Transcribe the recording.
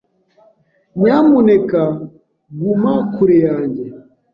Nyamuneka guma kure yanjye.